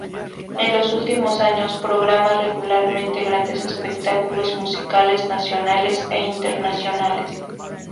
En los últimos años programa regularmente grandes espectáculos musicales nacionales e internacionales.